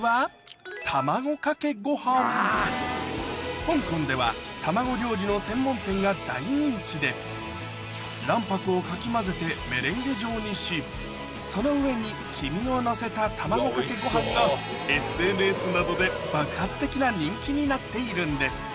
香港では卵料理の専門店が大人気で卵白をかき混ぜてメレンゲ状にしその上に黄身をのせた卵かけご飯がＳＮＳなどで爆発的な人気になっているんです